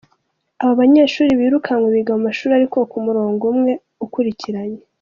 Abo banyeshuri birukanwe biga mu mashuri ari ku murongo umwe, akurikiranye.